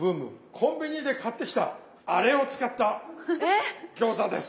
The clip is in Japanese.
コンビニで買ってきたあれを使った餃子です！